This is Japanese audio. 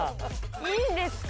いいんですか？